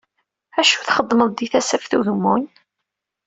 Acu i txeddmeḍ di Tasaft Ugemmun?